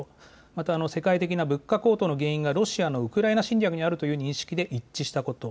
また世界的な物価高騰の原因がロシアのウクライナ侵略にあるという認識で一致したこと。